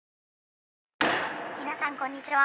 皆さんこんにちは